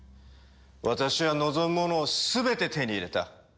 私は望むものを全て手に入れた。